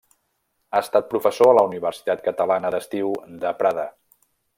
Ha estat professor a la Universitat Catalana d'Estiu de Prada.